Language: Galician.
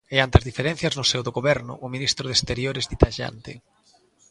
E ante as diferenzas no seo do Goberno, o ministro de Exteriores di tallante...